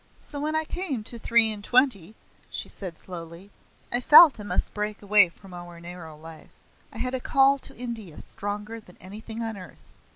"So when I came to three and twenty," she said slowly, "I felt I must break away from our narrow life. I had a call to India stronger than anything on earth.